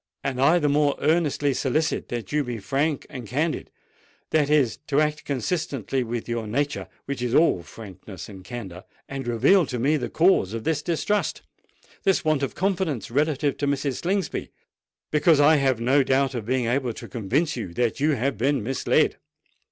And I the more earnestly solicit you to be frank and candid—that is, to act consistently with your nature, which is all frankness and candour,—and reveal to me the cause of this distrust—this want of confidence relative to Mrs. Slingsby,—because I have no doubt of being able to convince you that you have been misled."